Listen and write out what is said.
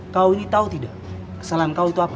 kau ini tahu tidak kesalahan kau itu apa